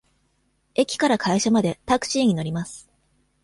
駅から会社までタクシーに乗ります。